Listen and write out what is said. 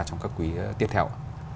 trong các quý tiếp theo